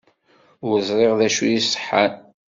Ur ẓriɣ d acu iṣeḥḥan.